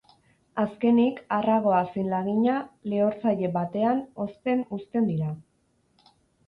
Azkenik, arragoa zein lagina, lehortzaile batean hozten uzten dira.